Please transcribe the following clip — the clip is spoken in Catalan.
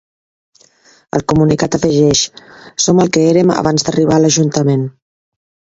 El comunicat afegeix: Som el que érem abans d’arribar a l’ajuntament.